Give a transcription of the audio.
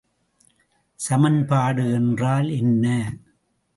சமன்பாடு என்றால் என்ன?